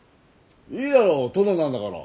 いいだろう殿なんだから。